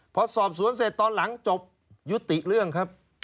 พอสอบสวนเสร็จตอนหลังจบยุติเรื่องครับ